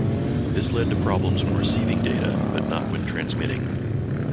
This led to problems when receiving data, but not when transmitting.